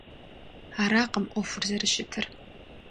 Аракъым Ӏуэхур зэрыщытыр.